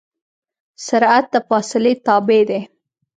سرعت د فاصلې تابع دی.